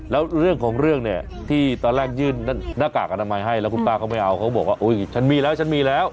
แล้วเรื่องของเรื่องเนี่ยที่ตอนแรกยื่นหน้ากากอนามัยให้แล้วคุณป้าเขาไม่เอาเขาบอกว่าฉันมีแล้วฉันมีแล้ว